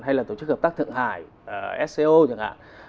hay là tổ chức hợp tác thượng hải sco chẳng hạn